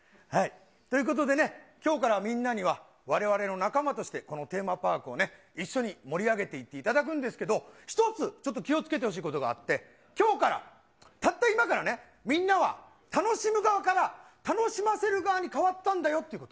ということでね、きょうからみんなには、われわれの仲間としてこのテーマパークをね、一緒に盛り上げていっていただくんですけど、１つ、ちょっと気をつけてほしいことがあって、きょうから、たった今からね、みんなは楽しむ側から、楽しませる側に変わったんだよっていうこと。